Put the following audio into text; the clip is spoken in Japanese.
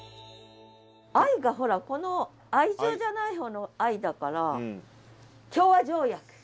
「相」がほらこの愛情じゃない方の「相」だから協和条約。